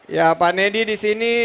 ya pak nedi disini